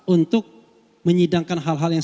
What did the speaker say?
untuk menyidangkan hal hal yang